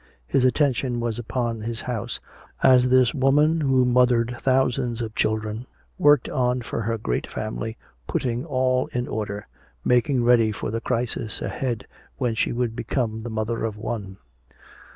His attention was upon his house, as this woman who mothered thousands of children worked on for her great family, putting all in order, making ready for the crisis ahead when she would become the mother of one.